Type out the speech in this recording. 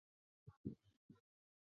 蹒跚在沙漠之中